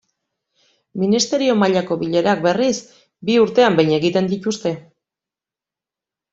Ministerio mailako bilerak, berriz, bi urtean behin egiten dituzte.